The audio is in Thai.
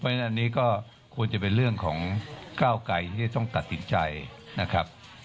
เพราะฉะนั้นอันนี้ก็ควรจะเป็นเรื่องของก้าวไกรที่จะต้องตัดสินใจนะครับ